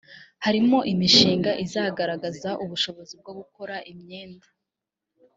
harimo imishinga izagaragaza ubushobozi bwo gukora imyenda